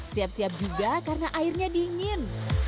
siap siap juga karena airnya dingin